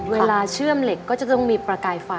เชื่อมเหล็กก็จะต้องมีประกายไฟ